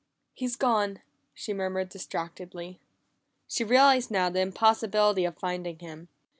"He's gone!" she murmured distractedly. She realized now the impossibility of finding him.